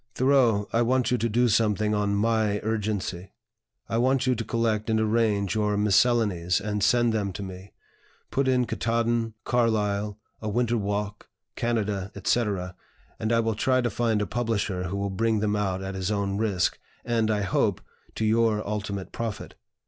"Thoreau, I want you to do something on my urgency. I want you to collect and arrange your 'Miscellanies' and send them to me. Put in 'Ktaadn,' 'Carlyle,' 'A Winter Walk,' 'Canada,' etc., and I will try to find a publisher who will bring them out at his own risk, and (I hope) to your ultimate profit.